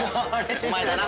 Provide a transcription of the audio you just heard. お前だな。